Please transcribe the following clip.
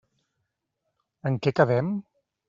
En què quedem?